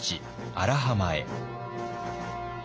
荒浜へ。